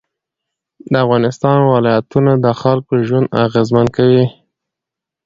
د افغانستان ولایتونه د خلکو ژوند اغېزمن کوي.